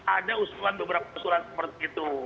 ada usulan beberapa usulan seperti itu